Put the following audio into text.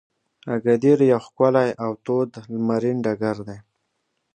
اګادیر یو ښکلی او تود لمرین ډګر دی.